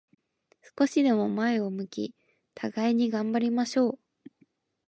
少しでも前を向き、互いに頑張りましょう。